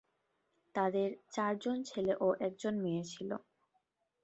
তাদের চারজন ছেলে ও একজন মেয়ে ছিল।